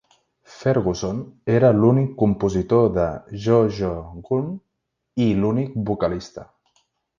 Ferguson era l'únic compositor de Jo Jo Gunne i l'únic vocalista.